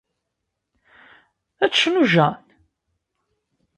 Ad tecnu Jane?